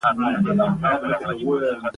تاريخ به له تاسره ضرور عادلانه چلند کوي.